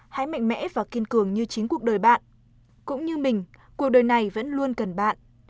hãy mạnh mẽ và kiên cường như chính cuộc đời bạn cũng như mình cuộc đời này vẫn luôn cần bạn